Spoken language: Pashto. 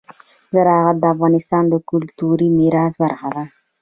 زراعت د افغانستان د کلتوري میراث برخه ده.